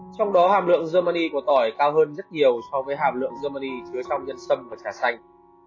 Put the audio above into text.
trong đó hàm lượng germany của tỏi cao hơn rất nhiều so với hàm lượng germany chứa trong nhân sâm và trà xanh